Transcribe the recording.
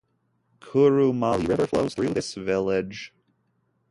Kurumali River flows through this village.